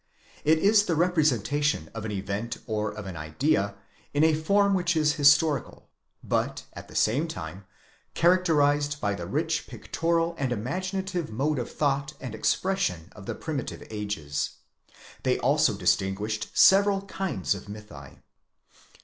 It is the representation of an event or of an idea in a form which is historical, but, at the same time characterized by the rich pictorial and imaginative mode of thought and expression of the primitive ages. They also distin guished several kinds of mythi.